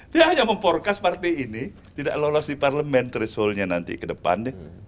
dia hanya mem podcast partai ini tidak lolos di parlement thresholdnya nanti ke depan